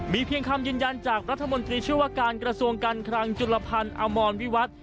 เพียงคำยืนยันจากรัฐมนตรีเชื่อว่าการกระทรวงการคลังจุลพันธ์อมรวิวัตร